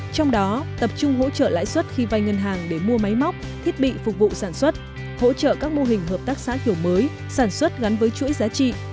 trong đó tập trung hỗ trợ lãi suất khi vai ngân hàng để mua máy móc thiết bị phục vụ sản xuất hỗ trợ các mô hình hợp tác xã kiểu mới sản xuất gắn với chuỗi giá trị